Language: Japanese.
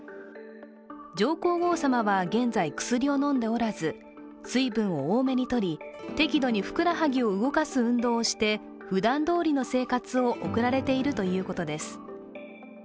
上皇后さまは現在、薬を飲んでおらず、水分を多めにとり、適度にふくらはぎを動かす運動をしてふだんどおりの生活を送られているということです。